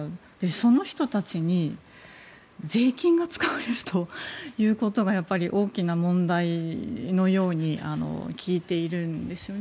その人たちに税金が使われるということがやっぱり大きな問題のように聞いているんですね。